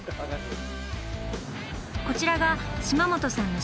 こちらが島本さんの仕事場。